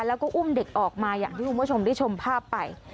แล้วก็อุ้มเด็กออกมาอย่างที่คุณผู้ชมได้ชมภาพไป